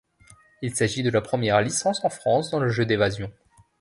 Il s'agit de la première licence en France dans le jeu d'évasion.